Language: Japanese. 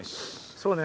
そうね。